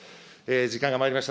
時間がまいりました。